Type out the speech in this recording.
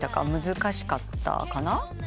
難しかったかな？